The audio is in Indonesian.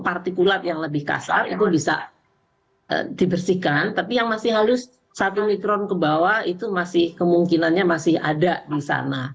partikulat yang lebih kasar itu bisa dibersihkan tapi yang masih halus satu mikron ke bawah itu masih kemungkinannya masih ada di sana